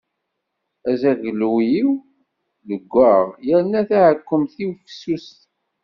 Azaglu-iw leggaɣ, yerna taɛekkemt-iw fessuset.